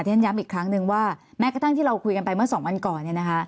ที่ฉันย้ำอีกครั้งหนึ่งว่าแม้กระทั่งที่เราคุยกันไปเมื่อ๒วันก่อน